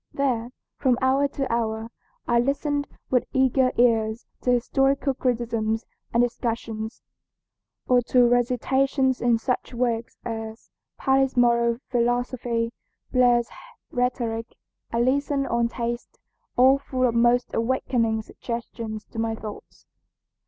There, from hour to hour, I listened with eager ears to historical criticisms and discussions, or to recitations in such works as Paley's Moral Philosophy, Blair's Rhetoric, Allison on Taste, all full of most awakening suggestions to my thoughts.